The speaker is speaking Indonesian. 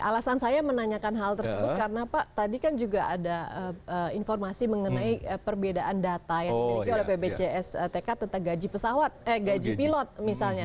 alasan saya menanyakan hal tersebut karena pak tadi kan juga ada informasi mengenai perbedaan data yang dimiliki oleh pbcs tk tentang gaji pesawat eh gaji pilot misalnya